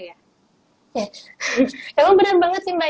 emang benar banget sih mbak